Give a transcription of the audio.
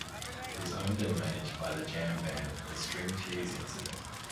It is owned and managed by the jam band The String Cheese Incident.